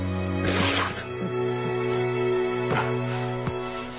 大丈夫。